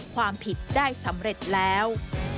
ความผิดได้สำเร็จแล้ว